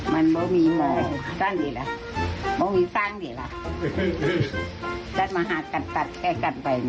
แล้วเอาทรงขึ้นเข้าอ่ะดอก